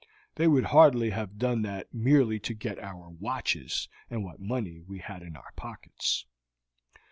They would hardly have done that merely to get our watches and what money we had in our pockets."